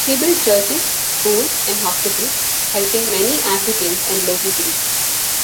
He built churches, schools and hospitals, helping many Africans and local Greeks.